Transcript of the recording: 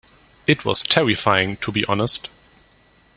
It was terrifying, to be honest.